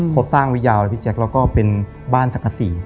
โกต้างวิยาวและพี่แจ๊คแล้วก็เป็นบ้านสักกษี